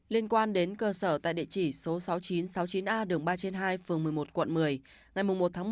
liên quan đến cơ sở tại địa chỉ số sáu nghìn chín trăm sáu mươi chín a đường ba trên hai phường một mươi một quận một mươi ngày một một mươi một hai nghìn hai mươi ba